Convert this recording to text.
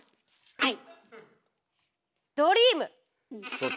はい。